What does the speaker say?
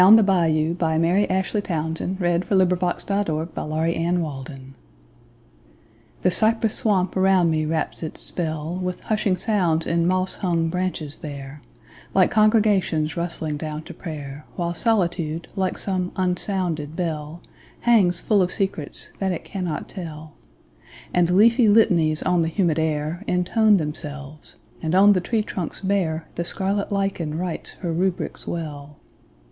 C D . E F . G H . I J . K L . M N . O P . Q R . S T . U V . W X . Y Z Down the Bayou THE cypress swamp around me wraps its spell, With hushing sounds in moss hung branches there, Like congregations rustling down to prayer, While Solitude, like some unsounded bell, Hangs full of secrets that it cannot tell, And leafy litanies on the humid air Intone themselves, and on the tree trunks bare The scarlet lichen writes her rubrics well.